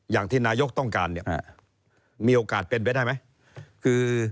อย่างที่นายกต้องการเนี่ยมีโอกาสเป็นไปได้ไหม